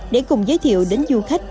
để cùng giới thiệu đến du khách